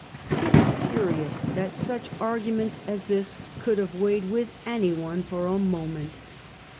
It is curious that such argu ments as this could have weighed with anyone for a moment.